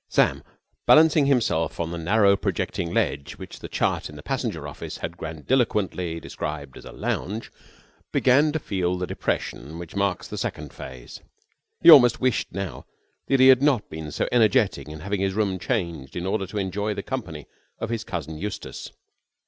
Sam, balancing himself on the narrow, projecting ledge which the chart in the passenger office had grandiloquently described as a lounge, began to feel the depression which marks the second phase. He almost wished now that he had not been so energetic in having his room changed in order to enjoy the company of his cousin Eustace.